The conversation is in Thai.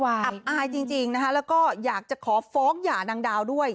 อับอายจริงนะคะแล้วก็อยากจะขอฟ้องหย่านางดาวด้วย